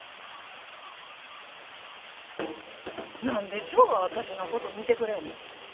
何でジョーは私のこと見てくれへんの。